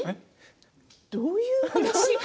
どういう話？